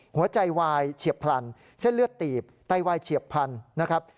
หัวใจวายเฉียบพลันเส้นเลือดตีบไตวายเฉียบพันธุ์นะครับ